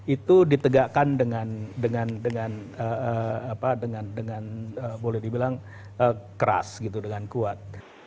itu ditegakkan dengan boleh dibilang keras gitu dengan kuat